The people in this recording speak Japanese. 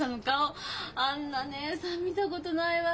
あんな義姉さん見たことないわ。